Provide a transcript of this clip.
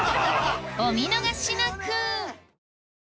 お見逃しなく！